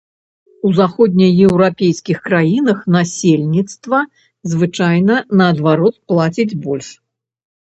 У заходнееўрапейскіх краінах насельніцтва звычайна наадварот плаціць больш.